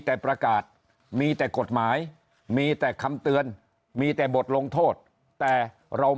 แต่ประกาศมีแต่กฎหมายมีแต่คำเตือนมีแต่บทลงโทษแต่เรา